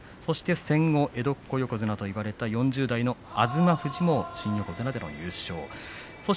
戦後江戸っ子横綱と呼ばれた４０代の東富士も新横綱での優勝です。